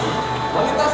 akan melukis agas